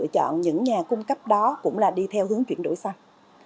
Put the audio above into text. và lựa chọn những nhà cung cấp đó cũng là đi theo hướng chuyển đổi xanh